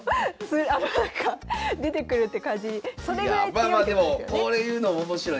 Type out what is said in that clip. いやあまあまあでもこういうのも面白い。